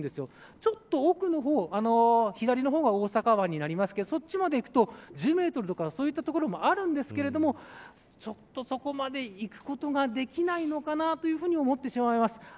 ちょっと奥の方左の方が大阪湾になりますけどそっちまで行くと１０メートルとかという所もあるんですけれどもちょっとそこまで行くことができないのかな、というふうに思ってしまいます。